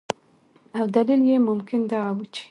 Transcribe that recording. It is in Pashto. او دلیل یې ممکن دغه ؤ چې